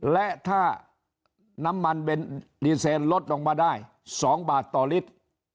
และถ้าน้ำมันเบนดีเซนลดลงมาได้๒บาทต่อลิตร